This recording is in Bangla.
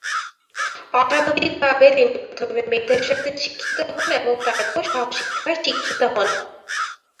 অস্বাভাবিকভাবে তিনি প্রথমে মেয়েদের সাথে শিক্ষিত হন এবং তারপর সহশিক্ষায় শিক্ষিত হন।